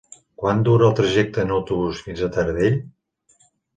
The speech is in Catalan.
Quant dura el trajecte en autobús fins a Taradell?